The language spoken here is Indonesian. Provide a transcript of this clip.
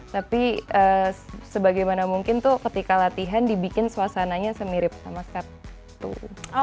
tapi sebagaimana mungkin tuh ketika latihan dibikin suasananya semirip sama cap tuh